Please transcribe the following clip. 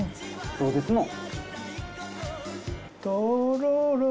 どうですのん？